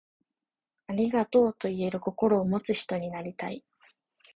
ありがとう、と言える心を持つ人になりたい。